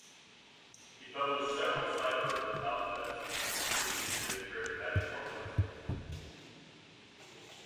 He published several cipher alphabets that were used to encrypt magic formulas.